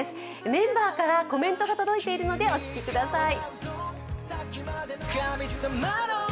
メンバーからコメントが届いているのでお聞きください。